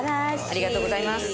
ありがとうございます。